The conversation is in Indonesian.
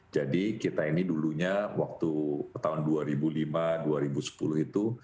jadi kita ini dulunya waktu tahun dua ribu lima dua ribu sepuluh itu